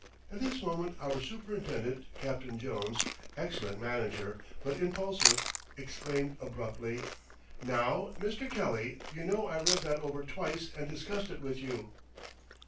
At this moment our superintendent, Captain Jones, excellent manager, but impulsive, exclaimed abruptly: "Now, Mr. Kelly, you know I read that over twice and discussed it with you!"